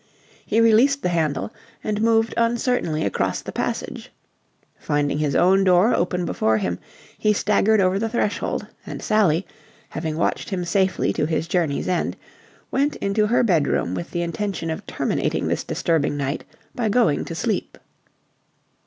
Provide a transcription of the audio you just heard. He released the handle and moved uncertainly across the passage. Finding his own door open before him, he staggered over the threshold; and Sally, having watched him safely to his journey's end, went into her bedroom with the intention of terminating this disturbing night by going to sleep.